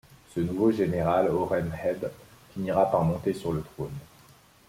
Ce nouveau général Horemheb finira par monter sur le trône.